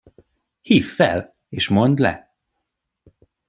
Hívd fel, és mondd le!